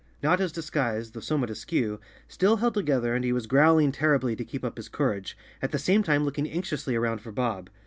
Notta's disguise, though somewhat askew, still held together and he was growling terribly to keep up his courage, at the same time looking anxiously around for Bob.